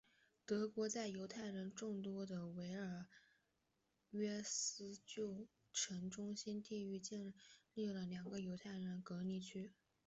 德国人在犹太人众多的维尔纽斯旧城中心地区建立了两个犹太人隔离区。